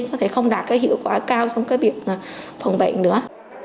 có thể không đạt cái hiệu quả cao trong cái việc phòng bệnh nữa